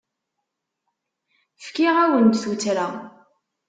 Fkiɣ-awen-d tuttra.